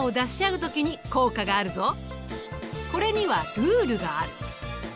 これにはルールがある。